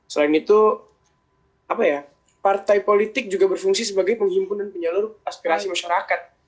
selain itu partai politik juga berfungsi sebagai penghimpun dan penyalur aspirasi masyarakat